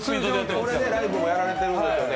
これでライブをやられてるんですよね。